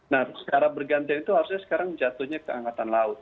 nah sekarang bergantian itu harusnya jatuhnya ke angkatan laut